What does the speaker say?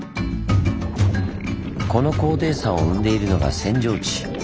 この高低差を生んでいるのが扇状地。